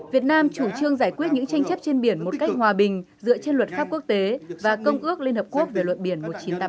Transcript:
việt nam chủ trương giải quyết những tranh chấp trên biển một cách hòa bình dựa trên luật pháp quốc tế và công ước liên hợp quốc về luật biển một nghìn chín trăm tám mươi